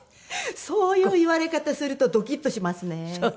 そういう言われ方するとドキッとしますね。